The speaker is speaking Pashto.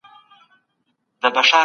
سړکونه او نور تاسیسات باید جوړ سي.